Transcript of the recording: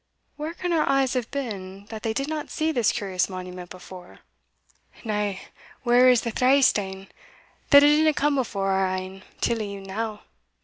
Where can our eyes have been, that they did not see this curious monument before?" "Na, whare was the through stane, that it didna come before our een till e'enow?"